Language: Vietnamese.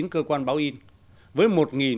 cơ quan báo in với